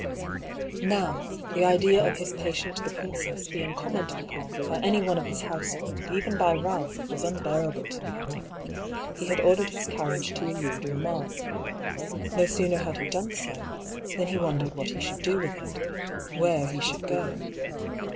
Now, the idea of his patient the princess being commented upon by any one of his household, even by Ealph, was unbearable to him. He had ordered his carriage to elude remark. 'No sooner had he done so, than he wondered what he should do with it — where he should go.